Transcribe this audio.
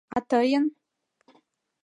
А тыйын?